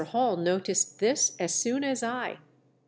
Hall noticed this as soon as I.